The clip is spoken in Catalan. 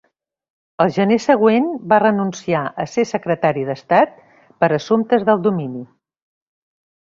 El gener següent, va renunciar a ser secretari d'estat per a assumptes del domini.